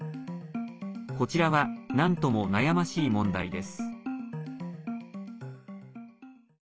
こちらはなんとも悩ましい問題です。